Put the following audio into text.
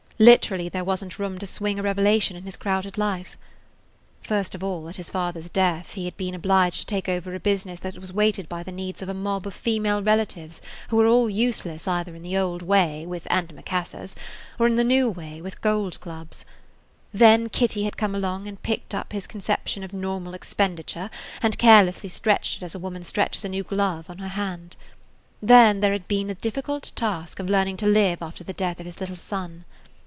Literally there wasn't room to swing a revelation in his crowded life. First of all, at his father's death he had been obliged to take over a business that was weighted by the needs of a mob of female relatives who were all useless either in the old way, with antimacassars, or in the new way, with gold clubs; then Kitty had come along and picked up his conception of normal expenditure, and carelessly stretched it as a woman stretches a new glove on her hand. Then there had been [Page 14] the difficult task of learning to live after the death of his little son.